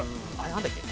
何だっけ？